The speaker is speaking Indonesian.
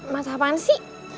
mata apaan sih